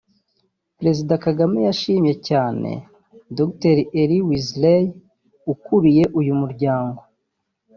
Perezida Kagame yashimye cyane Dr Elie Wiesel ukuriye uyu muryango